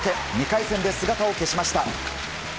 ２回戦で姿を消しました。